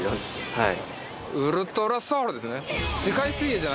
はい。